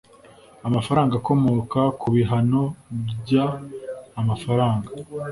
Amafaranga akomoka ku bihano by amafaranga